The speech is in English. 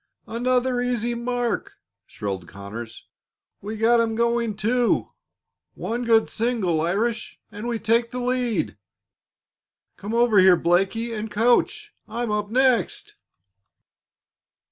"Another easy mark!" shrilled Conners. "We've got him going, too. One good single, Irish, and we take the lead. Come over here, Blakie, and coach. I'm up next."